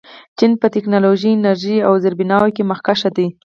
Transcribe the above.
چین په ټیکنالوژۍ، انرژۍ او زیربناوو کې مخکښ دی.